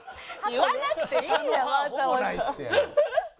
言わなくていいじゃんわざわざ。